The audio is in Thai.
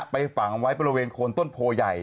ไปฝั่งไว้บริเวณโคนต้นโพยัย